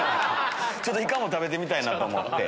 イカも食べてみたいなと思って。